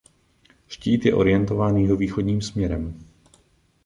Štít je orientován jihovýchodním směrem.